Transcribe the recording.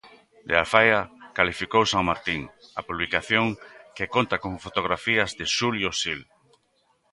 De alfaia cualificou Sanmartín a publicación, que conta con fotografías de Xulio Xil.